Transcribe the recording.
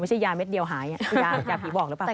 ไม่ใช่ยาเม็ดเดียวหายยาผีบ่องหรือเปล่า